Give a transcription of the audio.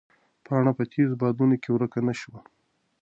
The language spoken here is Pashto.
پاڼه په تېزو بادونو کې ورکه نه شوه.